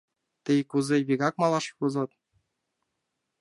Тый кузе, вигак малаш возат?